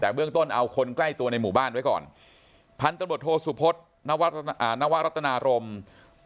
แต่เบื้องต้นเอาคนใกล้ตัวในหมู่บ้านไว้ก่อนพันธุบทศพนวรรษนารมณ์